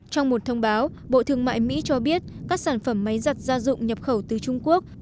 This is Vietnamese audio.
trong một thông báo bộ thương mại mỹ cho biết các sản phẩm máy giặt gia dụng nhập khẩu từ trung quốc